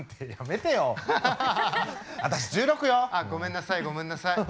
ああごめんなさいごめんなさい。